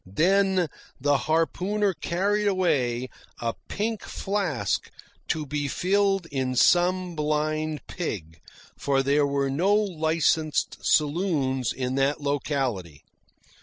Then the harpooner carried away a pink flask to be filled in some blind pig, for there were no licensed saloons in that locality.